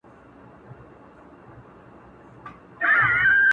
تاسو كه يې هر څو كندهار نــــه گـــڼــــئ مـــې گـــڼــــــئ